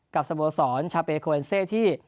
กับสโมสรเช้าเปคโคเว็นเตอร์ที่